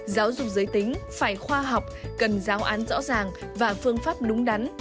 giáo dục giới tính phải khoa học cần giáo án rõ ràng và phương pháp đúng đắn